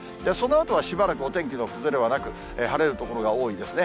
そのあとはしばらくお天気の崩れはなく、晴れる所が多いですね。